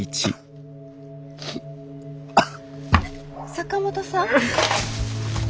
坂本さん？